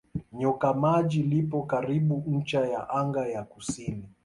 Nyoka Maji lipo karibu ncha ya anga ya kusini.